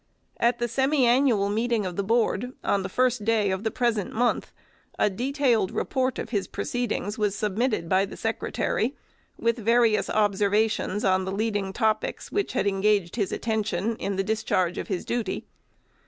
At the semi annual meeting of the Board, on the fii*st day of the present month, a detailed REPORT of his proceedings was submitted by the Secretary, with various observations on the leading topics which had engaged his attention, in the discharge of his duty.